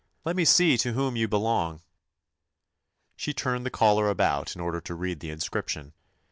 Let me see to whom you belong." 83 THE ADVENTURES OF She turned the collar about in order to read the inscription.